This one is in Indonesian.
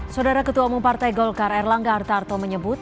saudara ketua umum partai golkar erlangga hartarto menyebut